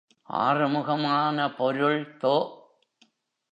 ஆறுமுகமான பொருள் தொ.